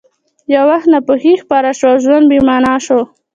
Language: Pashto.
یو وخت ناپوهي خپره شوه او ژوند بې مانا شو